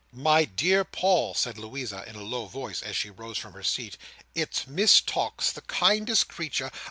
"My dear Paul," said Louisa in a low voice, as she rose from her seat, "it's Miss Tox. The kindest creature!